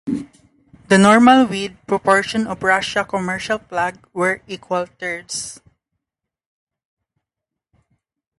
The normal width proportions of Russia's commercial flag were equal thirds.